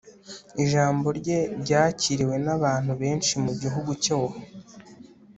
ijambo rye ryakiriwe n'abantu benshi mu gihugu hose